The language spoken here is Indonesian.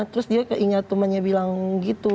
terus dia keingat temannya bilang gitu